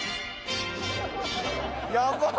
やばっ！